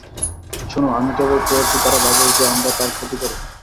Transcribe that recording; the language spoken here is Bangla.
শোন, আমি কেবল চেয়েছি তারা ভাবুক যে আমরা তার ক্ষতি করবো।